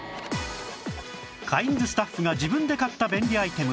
カインズスタッフが自分で買った便利アイテム